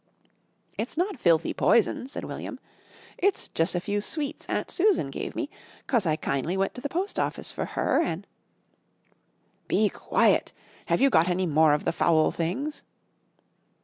"It's not filthy poison," said William. "It's jus' a few sweets Aunt Susan gave me 'cause I kin'ly went to the post office for her an' " "Be quiet! Have you got any more of the foul things?"